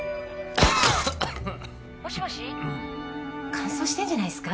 乾燥してんじゃないですか？